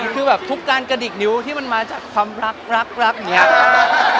คือแบบทุกการกระดิกนิ้วที่มันมาจากความรักรักอย่างนี้